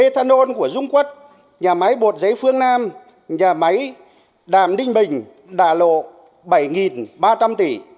thân hôn của dung quốc nhà máy bột giấy phương nam nhà máy đàm đinh bình đả lộ bảy ba trăm linh tỷ